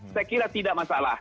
saya kira tidak masalah